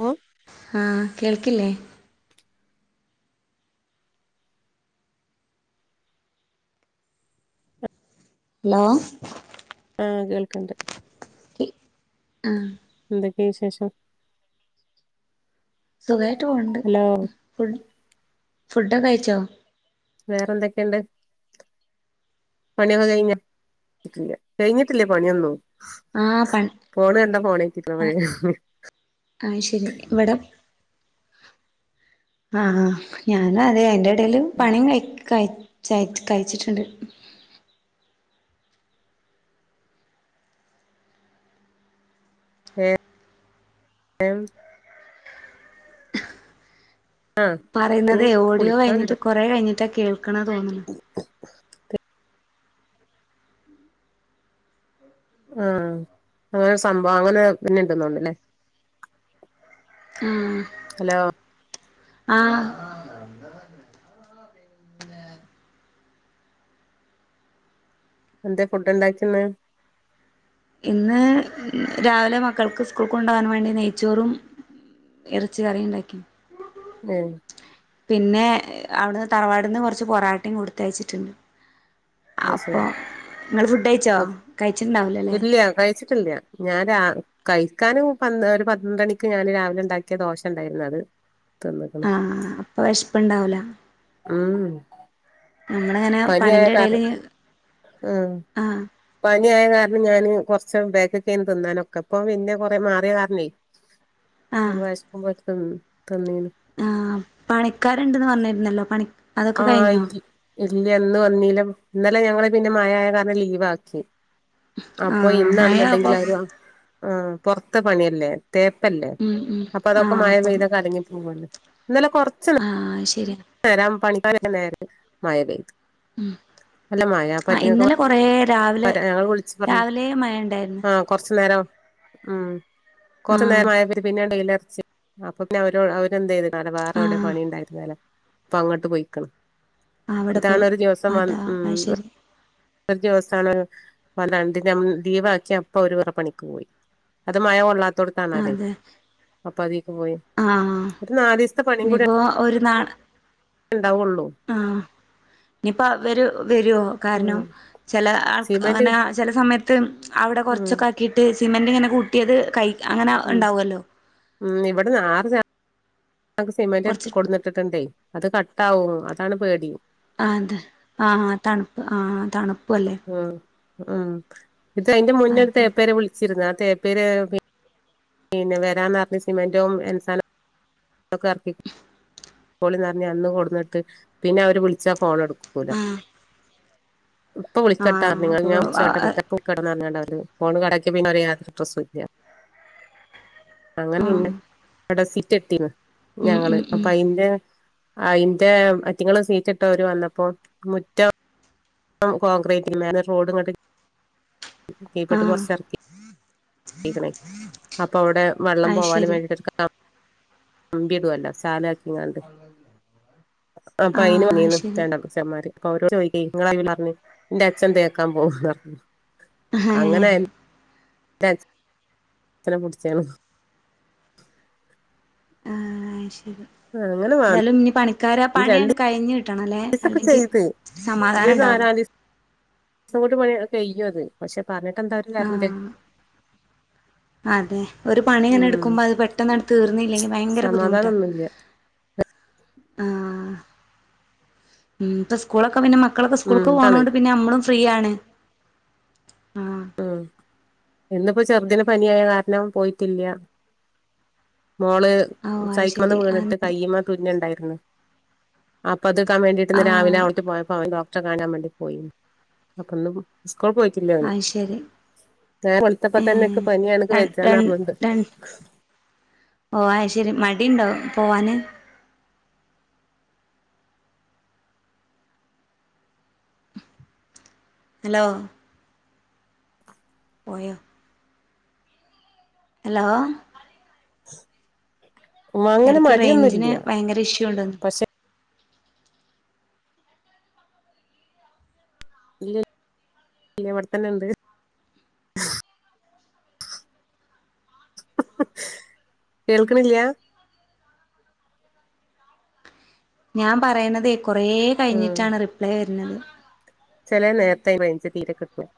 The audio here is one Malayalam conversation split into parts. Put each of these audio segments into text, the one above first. ഓ ആഹ് കേൾക്കില്ലേ ഹലോ ആഹ് കേൾക്കണ്ടേ ആഹ് എന്തൊക്കെയ വിശേഷം സുഖയിട്ട് പോണ്ട് ഹലോ ഫുഡ് ഫുഡൊെക്കെ കഴിച്ചോ വേറെന്തൊക്കെണ്ട് പണിയൊക്കെ കഴിഞ്ഞ കഴിഞ്ഞിട്ടില്ലേ പണിയൊന്നും ആഹ് പ ഫോണ് കണ്ട ഫോണേറ്റിട്ട ആയ് ശരി ഇവിടെ ആഹ് ഞാന അതെ എന്റെ ഇടൽ പണിയം കഴ ക കഴിച്ചിട്ടുണ്ട് എഹ് ആഹ് ഇനി പറയുന്നതേ ഓഡിയോ കുളിക്കാണ്ട് കഴിഞ്ഞിട്ട് കൊറെേ കഴിഞ്ഞിട്ടാ കേൾക്കണ തോന്നല ആഹ് അങ്ങനെ സംഭവം അങ്ങനെ പിന്നെ ഇണ്ടന്നണ്ടല്ലേ അആഹ് ഹലോ ആഹ് എന്താ ഫുഡ് ഉണ്ടാക്കിന്ന് ഇന്ന് രാവിലെ മക്കൾക്ക് സ്കൂൾ കൊണ്ടകൻ വേണ്ടി നെയ്ച്ചോറും ഇറച്ച കറിയ ഉണ്ടാക്കി ഓഹ് പിന്നെ അവിടുന്ന് തറവാടിന്ന് കുറച്ച് പൊറാട്ടേയും കൊടുത്തയച്ചിട്ടുണ്ട് അത് അപ്പൊ ശരി നിങ്ങൾ ഫുഡ് കഴിച്ചോ കഴിച്ചിട്ടുണ്ടാവലോ അല്ലേ ല്ല്യ കയ്ച്ച ഞാൻ രാ കഴിക്കാനും പ ഒരു പന്ത്രണ്ടണിക്ക് ഞാന് രാവിലെ ഉണ്ടാക്കിയ ദോഷ ഉണ്ടായിരുന്നു അത് തിന്നക്കൻ ആഹ് അപ്പൊ വിശപ്പുണ്ടാവൂല ഉം ഉം ഞമ്മൾങ്ങനെ പനിയായ പണിന്റെ ഇടൽ കാരണം ആഹ് പനി ആയ കാരണം ഞാന് കുറച്ച് ബാക്ക് ഒക്കെെ ആരുന്നു തിന്നാനൊക്കെ ഇപ്പ പിന്നെ കൊറ മാറിയ കാരണേ ആഹ് വിശക്കുമ്പോൾ എടുത്ത് തിന്നേ ന് ആഹ് പണിക്കാരുണ്ടന്ന് പറഞ്ഞിരുന്നല്ലോ പണി അതൊക്കെ ആഹ് കഴിഞ്ഞോ ഇല്ല ഇല്ലന്ന് ഇന്ന് വന്നീല ഇന്നലെ ഞങ്ങള് പിന്നെ മഴ ആയ കാരണം ലീവ് ആക്കി അപ്പൊ ആഹ് മഴയാവുമ്പോ ഇന്നാണെന്നുണ്ടെങ്കില് അവര് ആഹ് പുറത്ത് പണിയല്ലേ തേപ്പല്ലേ ഉം ഉം അപ്പൊ അതൊക്കെ ആഹ് മഴ അപ്പം പെയ്തൊക്കെ കലങ്ങി പോവല്ലോ ഇന്നലെ കുറച്ച് ആഹ് അത് ശരിയ നേരാ പണിക്കാര് വരുന്ന നേരെത്ത് മഴ പെയ്തു ഉം നല്ല മഴ അപ്പൊ ആഹ് അയിറ്റങ്ങക്ക് ഇന്നലെ കൊറ രാവിലെ വരാൻ ഞങ്ങള് വിളിച്ചു പറഞ്ഞു രാവിലെ മഴ ഉണ്ടായിരുന്നു ആഹ് കൊറച്ചു നേരം ഉം കൊറച്ചു ആഹ് നേരം മഴപെയ്തിട്ട് പിന്നെ അങ്ങട്ട് വെയിൽ ഉറച്ച് അപ്പൊ പിന്നെ അവര് അവര് എന്ത് ചെയ്തു വേറെ അവിടെ ആഹ് പണി ഉണ്ടായിരുന്നു അപ്പൊ അങ്ങോട്ട് പോയിക്കണ് അവിടെ ഇതാണ് പോയി ഒരു ദിവസം വന്ന അതാ ഉം അത് ശരി ഒരു ദിവസമാണ് അതാ ലീവ് ആക്കിയാ അപ്പൊ അവര് വേറെപ്പണിക്ക് പോയി അത് മഴ കൊള്ളാത്തോടുത്ത് ആണല്ലേ അതെ അപ്പ അതൊക്ക് പോയി ആഹ് ഒരു നാല് ദിവസത്തെ പണിയും കൂടി ഇനിപ്പോ ഓര് നാളെ ഉണ്ടാവുള്ളൂ ആഹ് ഇനിപ്പ അവര് വരോ കാര്ണം ഉം ചെല ആൾ സിമെന്റ് അങ്ങനെ. ചെല സമയത്ത് അവിടെ ഉം കുറച്ചൊക്കെ ആക്കിയിട്ട് സിമെന്റ് ഇങ്ങനെ കൂട്ടിയത് കൈ അങ്ങനെ ഉം ഉണ്ടാവൊല്ലോ ഉം ഇവിടെന്ന് ആറ് [unintelligible] ചാക്ക് സിമെന്റ് കുറച്ച് കൊട്ന്ന്ട്ട്ട്ട്ണ്ടേ അത് കട്ടാവും അതാണ് പേടി. ആഹ് അതെ ആഹ് തണുപ്പ് ആഹ് തണുപ്പു അല്ലേ. ഉം ഉം ഇത് അയ്ന്റെ മുന്ന് ഒരു അതെ തേപ്പാരെ വിളിച്ചിരുന്നു. ആ തേപ്പേര് പിന്നെ വരാന്ന് പറഞ്ഞു സിമൻ്റും എം സാൻ്റും ഒക്കെ എറക്കി പോളി നെറ്ഞ് അന്ന് കൊടുന്നിട്ട് പിന്നെ അവര് വിളിച്ചാ ഫോൺ എടുക്കൂല. ആഹ് ഇപ്പൊ വിളിക്കട്ട റ് [unintelligible] ആഹ് നിങ്ങള് അപ്പൊ ഞാൻ വിളിച്ചോട്ട് ആഹ് [unintelligible] കിടന്ന് ഉറങ്ങണ്ട എന്ന് [unintelligible] ഒരു ഫോണ് കേടാക്ക് പിന്നെ ഒരു യാതൊരുഡ്രസുല്ല അങ്ങനെ ഉം പിന്നെ അടെ സീറ്റെത്തീന് ഞങ്ങള് ഉം അപ്പ ഉം അയ് അയ്ൻ്റെ അയ്റ്റ സീറ്റ് ഇട്ടവര് വന്നപ്പോ മുറ്റം. കോൺക്രീറ്റന് മേലെ റോഡ് ഇങ്ങട്ട്. കീപ്പട്ട് ആഹ് കൊറ്ച്ച് എറക്കി [unintelligible] അപ്പൊ അവിടെ വെള്ളം അത് പോവാനും ശരി വേണ്ടീട്ടു കമ്പിടൊല്ലൊ സാല [unintelligible] ങ്ങാണ്ട് അപ്പ അയിന് ആഹ് അത് വാങ്ങിന്ന് ശരി [unintelligible] അച്ഛമാര്. അപ്പ അവരോട് ചോയ്ക്കി ഇങ്ങളായി വിള പറ്ഞ്. എന്റെ അച്ഛൻ തേക്കാൻ പോവുന്നറ് ഹ് ഹ് ത [unintelligible] ഇത്ര പുട്ച്ചേണ് [unintelligible] ആഹ് അത് ശരി ആഹ് അങ്ങനെ വാൺ ഇനി പണിക്കാര പണിയണ്ട് കഴിഞ്ഞ് കിട്ടണല്ലെ ദിവസൊക്കെ അല്ലെങ്കിൽ സമാധാനം ഇണ്ടാവുല. അതോട് കൂടി അത് കയും അത്. പക്ഷെ പറ്ഞ്ഞിട്ട് എന്താ ഒരു കാര്യവുല്ലെ ആഹ് അതെ ഒരു പണി ഇങ്ങനെ ഉം ഇടുക്കുമ്പ അത് പെട്ടെന്ന് അടുത്ത് തീർന്നില്ലെങ്കി ഭയങ്കര ബുദ്ധിമുട്ടാ സമാധാനൊന്നുല്ല ആഹ് ഉം ഇപസ് സ്കൂളൊക്കെ പിന്നെ മക്കളൊക്കെ ഉം സ്കൂൾക്ക് ആണ് പോണോണ്ട് പിന്നെ നമ്മളും ഫ്രീയാണ് ആഹ്. ഉം ഇന്നിപ്പോ ചെറുതിന് പനിയായ കാര്ണം പോയിട്ടില്ല മോള് ഓ അത് സൈക്കിളിന്ന് ശരി വീണിട്ട് കയ്യ്മ്മെ തുന്നല് ഇണ്ടായിര്ന്നു. അപ്പ അത് ഇക്കാൻ വേണ്ടിയിട്ട് ഇന്ന് രാവിലെ ആഹ് അവൾട്ട് പോയപ്പോ അവ ഡോക്ടറെ കാണാൻ വേണ്ടി പോയിനി അപ്പ ഇന്ന് സ്കൂൾ പോയിട്ടില്ലേ അവന് അത് ശരി നേവെൾത്തപ്പ തന്നെ ഇക്ക് ഏഹ് പനിയാണ് ഇക്ക് ര വെജാന്ന് രൺ പറഞ്ഞ്ണ്ട്. പോ ആ ശെരി മടി ഇണ്ടൊപോവാന്. ഹലൊ പോയൊ ഹലോ ഉം അങ്ങനെ മടിയൊന്നു ഇല്ല ഭയങ്കെര ഇഷ്യു ഇണ്ട്ന്ന് ഇല്ല ഇവര്ത്തന്ന ഉണ്ട് കേൾക്ക്ണില്യ ഞാൻ പറയിണതേ കൊറേ കഴിഞ്ഞിട്ടാണ് റിപ്ലൈ വരുന്നത് ചെലേ നേരത്തെ മയ്ഞ് തീരെ കിട്ടു [unintelligible]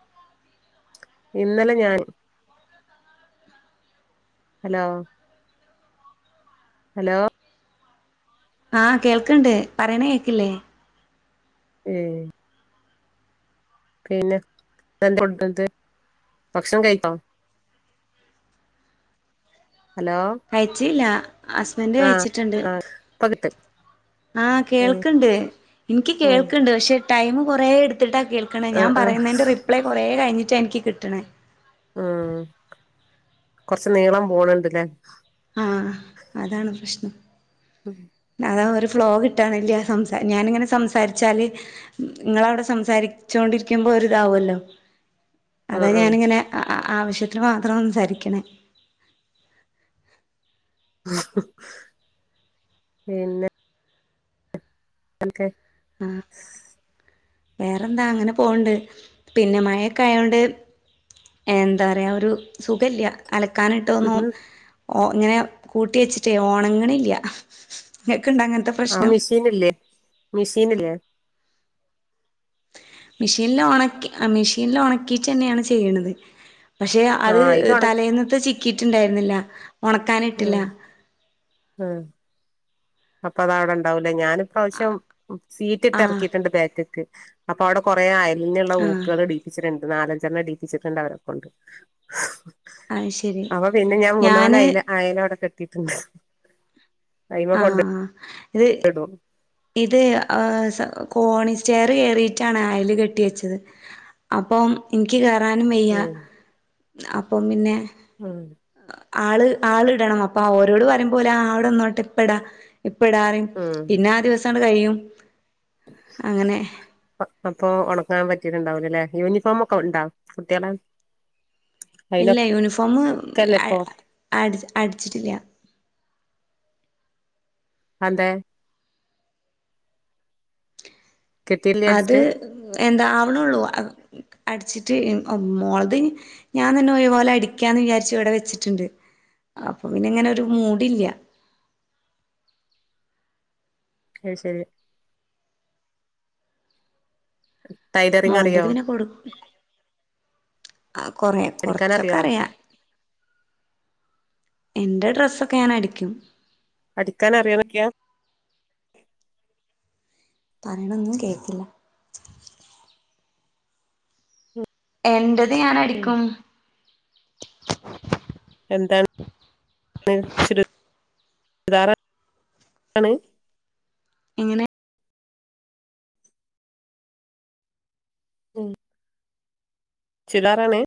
ഇന്നലെ ഞാൻ ഹലോ ഹലോ ആ കേൾക്കണ്ട് പറയണേ കേക്കില്ലേ ഏഹ് പിന്നെ എന്തെ കൊട്ത് ഭക്ഷണം കഴിക്കോ ഹലോ കഴിച്ചില്ല ഹസ്ബൻഡ് കഴിച്ചിട്ടുണ്ട് ആ ഇപ്പ കിട്ടും ആ ഉം കേൾക്കണ്ട് എനിക്ക് ഉം കേൾക്കണ്ട് പക്ഷെ ടൈംമ് കുറേ എടുത്തിട്ട കേൾക്കണെ ആ ഞാൻ ആ പറയുന്നേൻ്റെ റിപ്ലൈ കുറേ കഴിഞ്ഞിറ്റാ എനിക്ക് കിട്ടണേ ഉം കൊറച്ച് നീളം പോണണ്ട്ല്ലേ ആഹ് അഹ് അതാണ് പ്രശ്നം ഉം അത ഒരു ഫ്ലോഗ് കിട്ടാനില്ല സംസാ ഞാനിങ്ങനെ സംസാരിച്ചാല് നിങ്ങവിടെ സംസാരിച്ചോണ്ടിരിക്കുമ്പോ ഒരിതാവല്ലോ ആ അതാ ആ ഞാനിങ്ങനെ ആ ആവശ്യത്തിന് മാത്രം സംസാരിക്കണേ പിന്നെ എന്ക്കെ ആ വേറെന്താ അങ്ങനെ പോവണ്ട് പിന്നെ മഴൊക്കെ ആയോണ്ട് എന്താ പറയുക ഒരു സുഖില്ല അലക്കാനയിട്ടൊന്നും ഉം ഓ ഇങ്ങനെ കൂട്ടി വെച്ചിട്ടേ ഓണങ്ങന് ഇല്ല്യ ഇങ്ങക്ക് ഇണ്ട അങ്ങനത്തെ ആഹ് പ്രശ്നം? മിഷീൻ ഇല്ലേ മിഷീൻ ഇല്ലേ മിഷീനിൽ ഉണക്കി ആ മിഷീനിൽ ഉണക്കിയിട്ട് തന്നെയാണ് ചെയ്യണത് പക്ഷെ ആ അത് ഇത് ഒണക്കി തലേന്നത്ത് ചിക്കിയിട്ടുണ്ടായിരുന്നില്ല ഉണക്കാനിട്ടില്ല ഉം ഉം അപ്പൊ അത അവിടെ ഇണ്ടാവൂലേ ഞാനിപ്രവശ്യം സീറ്റ് ഇട്ട് ആഹ് ഇറക്കിട്ടുണ്ട് ബാക്കക്ക് അപ്പൊ അവിടെ കൊറെേ അയലിനുള്ള ആഹ് ഊക്കുകള് ഇഡീപ്പിച്ചിട്ടുണ്ട് നാലജെണ്ണം ഇഡീപ്പിട്ടുണ്ട് അവര കൊണ്ട് അത് ശരി. അപ്പൊ പിന്നെ ഞാൻ മൂന്നാല് ഞാന് അയല അയല അവിടെ കെട്ടിട്ടുണ്ട് ആഹ് ആഹ് ഇത് ടൊ ഇത് ആ സ കോണി സ്റ്റെയർ കെറിയിട്ടാണ് അയൽ കെട്ടി വെച്ചത് അപ്പം എനിക്ക് കേറാനും വയ്യ ഉം അപ്പം പിന്നെ ഉം ആള് ആള് ഇടണം അപ്പൊ ഓരോട് പറയും പോലെ ആവിടെന്നോട്ട് ഇപ്പടാ ഇപ്പടാറ ഉം പിന്നാ ദിവസട് കഴിയും അങ്ങനെ അപ്പൊ ഉണക്കാൻ പറ്റിട്ടുണ്ടാവില അല്ലേ യൂണിഫോമ ഒക്കെ ഒണ്ടാ കുട്ടികളെ ഇല്ല യൂണിഫോമ് അയിനൊക്കെല്ലേ അ ഇപ്പൊ അടിച്ച് അടിച്ചിട്ടില്ല അദേ കിട്ടിയില്ലേ അത് അടിച്ചിട്ട് എന്താ ആവണുള്ളൂ അടിച്ചിട്ട് മോളത് ഞാൻതാന്നെ ഒരു പോലെ അടിക്കാന്ന് വിചാരിച്ചു ഇവിടെ വെച്ചിട്ടുണ്ട് അപ്പൊ പിന്നെ ഇങ്ങനെ ഒരു മൂഡില്ല ആയ് ശെരി ടൈലറിങ് അറിയോ മോന്റത് പിന്നെ കൊടു ആ കൊറേ കൊറച്ചൊക്കെ അടിക്കാനറിയോ അറിയാ എൻ്റെ ഡ്രസ്സൊക്കെ ഞാൻ അടിക്കും അടിക്കാൻ അറിയാന്നോക്കെയാ പറയണൊന്നും കേക്കില്ല എന്റത് ഞാൻ ഉം അടിക്കും എന്താണ് ചുരിദാർ ആണ് എങ്ങനെ ഉം ചുരിദാറാണ്